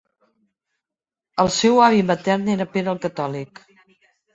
El seu avi matern era Pere el Catòlic.